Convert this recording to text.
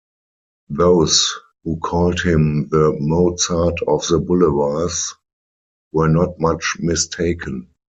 Those who called him 'The Mozart of the Boulevards' were not much mistaken.